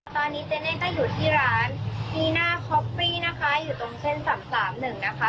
ตอนนี้เจ๊เน้นก็อยู่ที่ร้านนี่หน้านะคะอยู่ตรงเส้นสามสามหนึ่งนะคะ